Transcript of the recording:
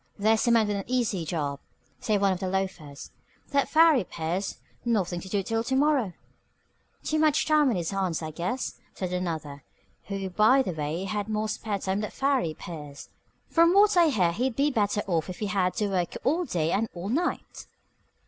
"There's a man with an easy job," said one of the loafers. "That Farry Pierce. Nothing to do till to morrow." "Too much time on his hands, I guess," said another, who by the way had more spare time than Farry Pierce. "From what I hear he'd be better off if he had to work all day and all night."